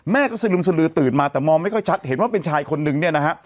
แม่ก็สลึมสลือตื่นมาแต่มองไม่ค่อยชัดเห็นว่าเป็นชายคนนึงเนี่ยนะฮะ